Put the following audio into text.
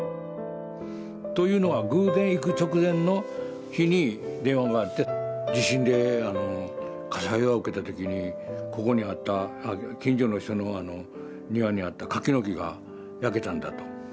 というのは偶然行く直前の日に電話があって地震であの火災が起きた時にここにあった近所の人の庭にあった柿の木が焼けたんだと。